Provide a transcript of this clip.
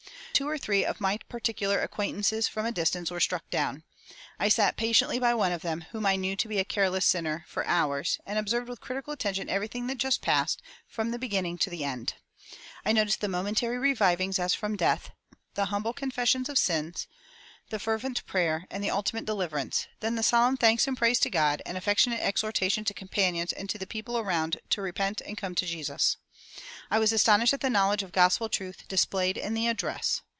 "Two or three of my particular acquaintances from a distance were struck down. I sat patiently by one of them, whom I knew to be a careless sinner, for hours, and observed with critical attention everything that passed, from the beginning to the end. I noticed the momentary revivings as from death, the humble confession of sins, the fervent prayer, and the ultimate deliverance; then the solemn thanks and praise to God, and affectionate exhortation to companions and to the people around to repent and come to Jesus. I was astonished at the knowledge of gospel truth displayed in the address.